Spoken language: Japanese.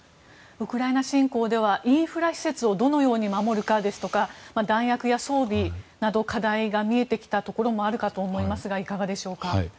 ウクライナ侵攻ではインフラ施設をどのように守るかですとか弾薬や装備など課題が見えてきたところもあると思いますがいかがでしょうか。